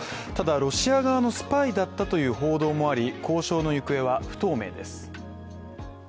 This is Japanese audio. ただロシア側のスパイだったという報道もあり交渉の行方は不透明です。